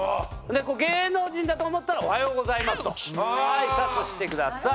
芸能人だと思ったら「おはようございます」と挨拶してください。